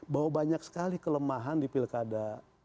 bahwa banyak sekali kelemahan di pilkada